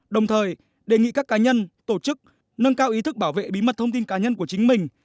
đồng thời đề nghị các cá nhân tổ chức nâng cao ý thức bảo vệ bí mật thông tin cá nhân của chính mình